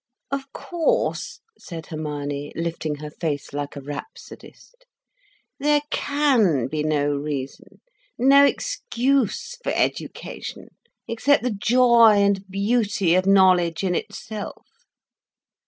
"Of course," said Hermione, lifting her face like a rhapsodist, "there can be no reason, no excuse for education, except the joy and beauty of knowledge in itself."